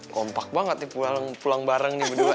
kompak banget nih pulang bareng nih berdua